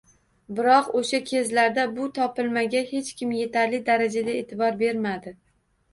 Biroq o‘sha kezlarda bu “topilma”ga hech kim yetarli darajada e’tibor bermadi